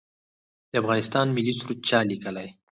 د افغانستان ملي سرود چا لیکلی؟